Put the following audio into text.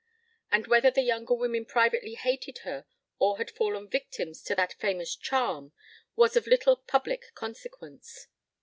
And whether the younger women privately hated her or had fallen victims to that famous charm was of little public consequence.